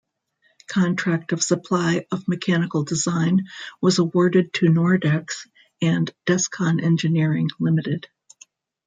Contract of supply of mechanical design was awarded to Nordex and Descon Engineering Limited.